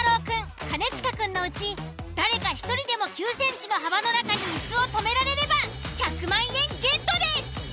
くん兼近くんのうち誰か１人でも９ｃｍの幅の中にイスを止められれば１００万円ゲットです。